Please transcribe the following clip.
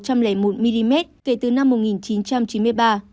một trăm linh một mm kể từ năm một nghìn chín trăm chín mươi ba